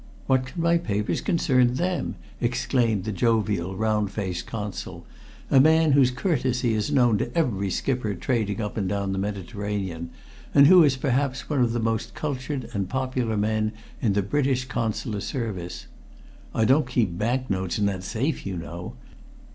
"What can my papers concern them?" exclaimed the jovial, round faced Consul, a man whose courtesy is known to every skipper trading up and down the Mediterranean, and who is perhaps one of the most cultured and popular men in the British Consular Service. "I don't keep bank notes in that safe, you know.